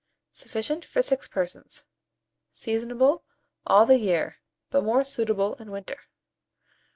Sufficient for 6 persons. Seasonable all the year, but more suitable in winter.